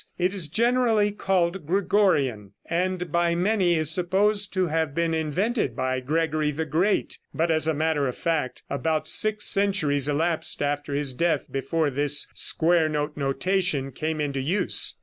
It is generally called Gregorian, and by many is supposed to have been invented by Gregory the Great; but as a matter of fact, about six centuries elapsed after his death before this square note notation came into use.